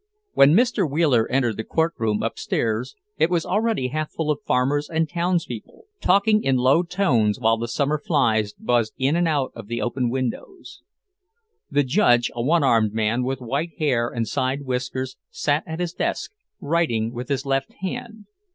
When Mr. Wheeler entered the courtroom upstairs, it was already half full of farmers and townspeople, talking in low tones while the summer flies buzzed in and out of the open windows. The judge, a one armed man, with white hair and side whiskers, sat at his desk, writing with his left hand.